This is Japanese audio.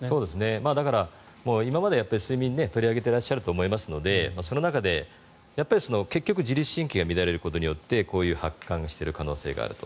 今までも睡眠を取り上げてらっしゃると思いますのでその中で、結局自律神経が乱れることによってこういう発汗している可能性があると。